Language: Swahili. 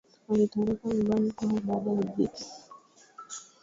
Alitoroka nyumbani kwao baada ya dhiki